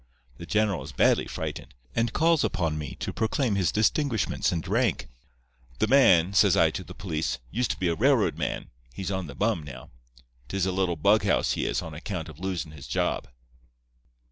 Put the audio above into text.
The general is badly frightened, and calls upon me to proclaim his distinguishments and rank. "'The man,' says I to the police, 'used to be a railroad man. He's on the bum now. 'Tis a little bughouse he is, on account of losin' his job.